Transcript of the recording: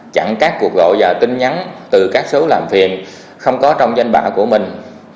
chặn các cuộc gọi và tin nhắn từ các số làm phiền không có trong danh bạ của mình